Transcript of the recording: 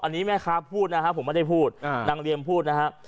อันนี้แม่ค้าพูดนะฮะผมไม่ได้พูดนางเรียมพูดนะฮะ